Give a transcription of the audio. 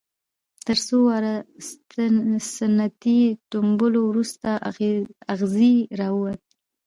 تر څو واره ستنې ټومبلو وروسته اغزی را ووت.